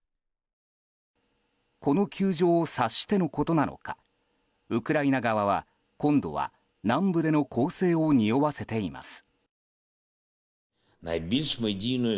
この窮状を察してのことなのかウクライナ側は今度は南部での攻勢をにおわせています。